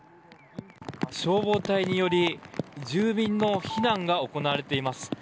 消防隊により住民の避難が行われています。